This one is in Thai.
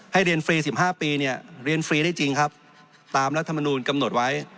เรียนฟรี๑๕ปีเนี่ยเรียนฟรีได้จริงครับตามรัฐมนูลกำหนดไว้